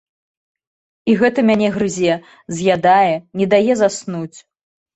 І гэта мяне грызе, з'ядае, не дае заснуць.